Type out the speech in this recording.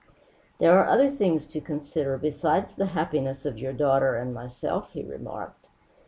"There are other things to consider besides the happiness of your daughter and myself," he remarked.